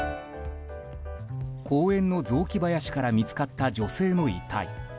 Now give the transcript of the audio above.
公園の雑木林から見つかった女性の遺体。